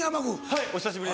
はいお久しぶりです。